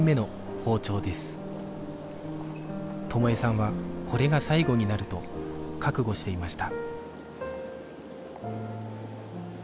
友枝さんはこれが最後になると覚悟していました